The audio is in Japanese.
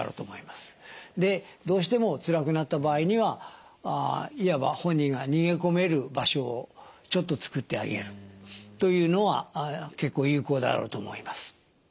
どうしてもつらくなった場合にはいわば本人が逃げ込める場所をちょっと作ってあげるというのは結構有効だろうと思います。